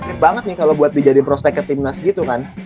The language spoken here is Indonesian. gede banget nih kalo buat dijadi prospek ke timnas gitu kan